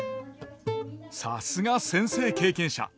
さすが先生経験者。